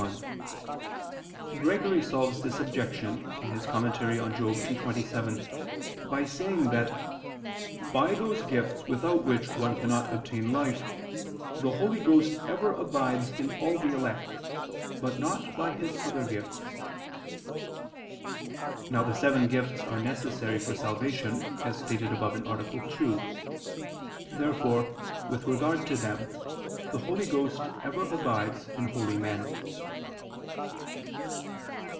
1: Gregory solves this objection (Moral. ii, 27) by saying that "by those gifts without which one cannot obtain life, the Holy Ghost ever abides in all the elect, but not by His other gifts." Now the seven gifts are necessary for salvation, as stated above (A. 2). Therefore, with regard to them, the Holy Ghost ever abides in holy men.